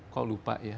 kok lupa ya